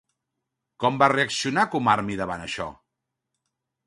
Com va reaccionar Kumarbi davant això?